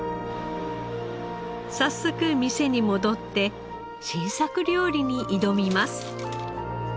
早速店に戻って新作料理に挑みます。